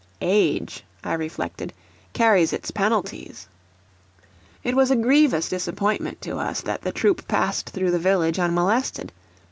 "Age," I reflected, "carries its penalties." It was a grievous disappointment to us that the troop passed through the village unmolested.